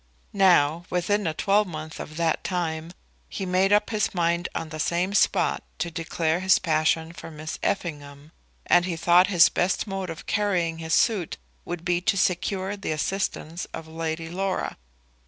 Now, within a twelvemonth of that time, he made up his mind on the same spot to declare his passion to Miss Effingham, and he thought his best mode of carrying his suit would be to secure the assistance of Lady Laura.